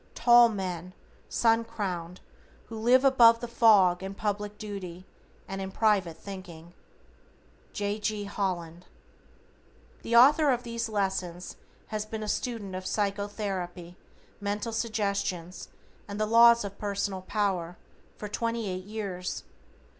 Tall men, sun crowned, who live above the fog In public duty and in private thinking." J.G. HOLLAND. The Author of these Lessons has been a student of Psychotherapy, Mental Suggestions, and the Laws of Personal Power, for twenty eight years.